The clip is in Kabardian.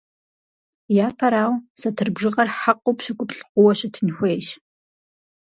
Япэрауэ, сатыр бжыгъэр хьэкъыу пщыкӀуплӀ хъууэ щытын хуейщ.